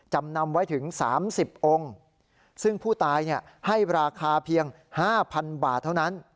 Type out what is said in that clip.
จำนำไว้ถึง๓๐องค์ซึ่งผู้ตายให้ราคาเพียง๕๐๐๐บาทเท่านั้น